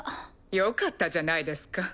よかったじゃないですか。